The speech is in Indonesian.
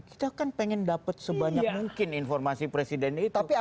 kita kan pengen dapat sebanyak mungkin informasi presiden itu